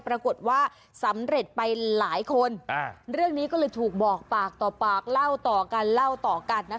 ปรากฏว่าสำเร็จไปหลายคนเรื่องนี้ก็เลยถูกบอกปากต่อปากเล่าต่อกัน